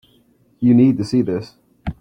You need to see this.